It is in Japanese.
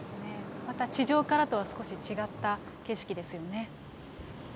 また地上からとは少し違った景色ですよね。